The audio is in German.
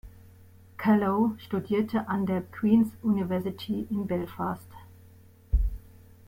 Callow studierte an der Queen’s University in Belfast.